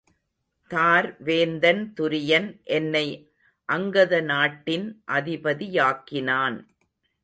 தார் வேந்தன் துரியன் என்னை அங்கத நாட்டின் அதிபதியாக்கினான்.